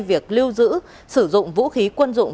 việc lưu trữ sử dụng vũ khí quân dụng